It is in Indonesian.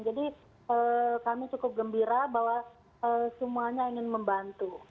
jadi kami cukup gembira bahwa semuanya ingin membantu